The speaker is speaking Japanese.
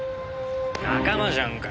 仲間じゃんか。